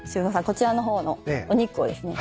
こちらの方のお肉をですね